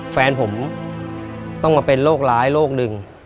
แฟนผมต้องมาเป็นโรคร้ายโรคหนึ่ง